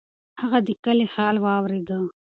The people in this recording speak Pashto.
هغه د کلي حال واورېد.